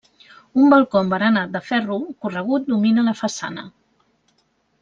Un balcó amb barana de ferro corregut domina la façana.